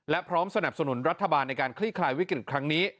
และพร้อมสนับสนุนรัฐบาลในการคลี่คลายวิกฤตครั้งนี้